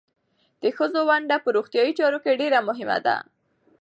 د ښځو ونډه په روغتیايي چارو کې ډېره مهمه ده.